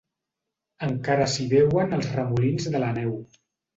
Encara s'hi veuen els remolins de la neu.